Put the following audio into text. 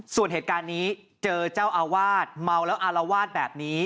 ส่วนเหตุการณ์นี้เจอเจ้าอาวาสเมาแล้วอารวาสแบบนี้